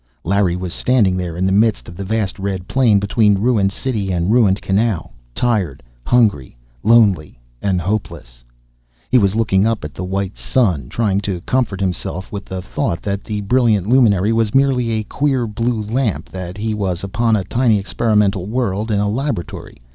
Larry was standing there, in the midst of the vast red plain between ruined city and ruined canal. Tired, hungry, lonely and hopeless. He was looking up at the white "sun," trying to comfort himself with the thought that the brilliant luminary was merely a queer blue lamp, that he was upon a tiny experimental world in a laboratory.